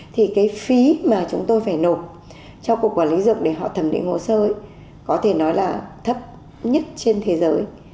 thì cái phí mà chúng tôi phải nộp cho cục quản lý rừng để họ thẩm định hồ sơ có thể nói là thấp nhất trên thế giới